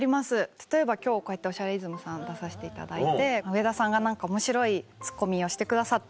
例えば今日こうやって『おしゃれイズム』さん出させていただいて上田さんが何か面白いツッコミをしてくださった。